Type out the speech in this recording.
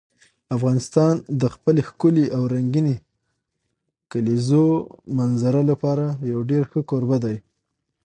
افغانستان د خپلې ښکلې او رنګینې کلیزو منظره لپاره یو ډېر ښه کوربه دی.